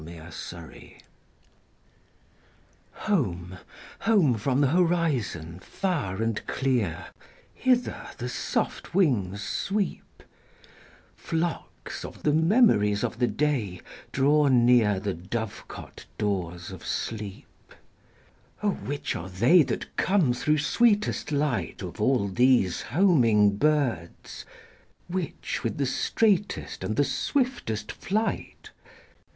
37AT NIGHT Home, home from the horizon far and clear, Hither the soft wings sweep; Flocks of the memories of the day draw near The dovecote doors of sleep. O which are they that come through sweetest light Of all these homing birds? Which with the straightest and the swiftest flight?